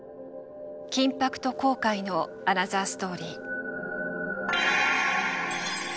緊迫と後悔のアナザーストーリー。